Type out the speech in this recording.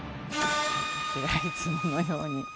ではいつものように。